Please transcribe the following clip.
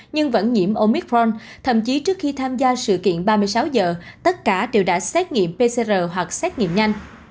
nhưng vẫn nhiễm omicron thậm chí trước khi tham gia sự kiện ba mươi sáu giờ tất cả đều đã xét nghiệm pcr hoặc xét nghiệm nhanh